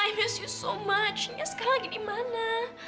ayah aku sangat rindu kamu ayah sekarang lagi di mana